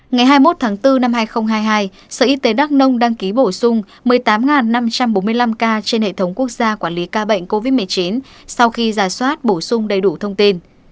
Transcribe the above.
ngày hai mươi một tháng bốn năm hai nghìn hai mươi hai sở y tế đắk nông đăng ký bổ sung một mươi tám năm trăm bốn mươi năm ca trên hệ thống quốc gia quản lý ca bệnh covid một mươi chín sau khi giả soát bổ sung đầy đủ thông tin